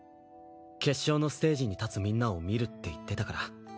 決勝のステージに立つみんなを見るって言ってたから。